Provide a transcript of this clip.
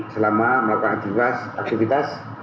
selama melakukan aktivitas